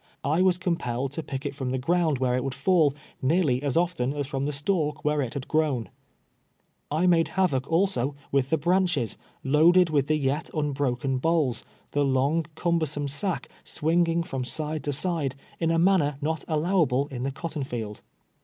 I was compelled to pick it from the ground where it would fall, nearly as often as from the stalk where it had grown. I made havoc also with the branches, loaded willi the yet unbroken bolls, the long, cumbersome sack swinging from side to side in a manner not allowable in the cotton field.